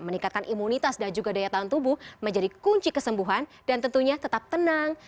meningkatkan imunitas dan juga daya tahan tubuh menjadi kunci kesembuhan dan tentunya tetap tenang